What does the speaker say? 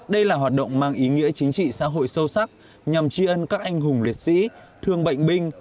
đây là hoạt động mang ý nghĩa chính trị xã hội sâu sắc nhằm tri ân các anh hùng liệt sĩ thương bệnh binh